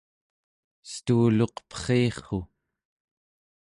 estuuluq perrirru